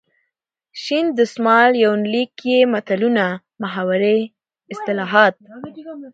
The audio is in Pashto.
شین دسمال یونلیک کې متلونه ،محاورې، اصطلاحات .